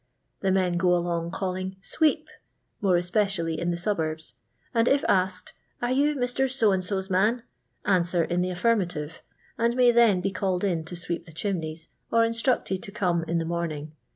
The men go along calling "sweep," more especially in the suburbs, and if asked "Are you Mr. So and So's manT' answer in the affirmative, and may then be called in to sweep the chimneys, or instructed to come in the morning.